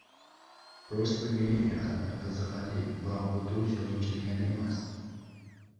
Prosper Merime asarlari qiziqarli, biroq bu durust yozuvchi degani emas.